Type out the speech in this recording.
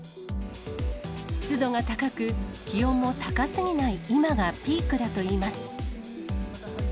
湿度が高く、気温も高すぎない今がピークだといいます。